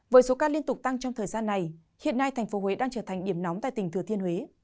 với số ca liên tục tăng trong thời gian này hiện nay thành phố huế đang trở thành điểm nóng tại tỉnh thừa thiên huế